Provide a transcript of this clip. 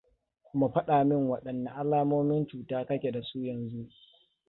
kuma fada min wadanne alamomin cuta ka ke da su yanzu?